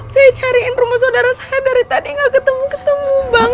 saya cariin rumah saudara saya dari tadi gak ketemu ketemu bang